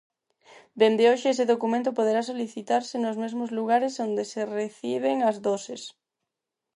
Dende hoxe ese documento poderá solicitarse nos mesmos lugares onde se reciben as doses.